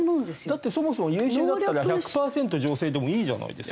だってそもそも優秀だったら１００パーセント女性でもいいじゃないですか。